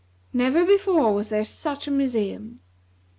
Never before was there such a museum.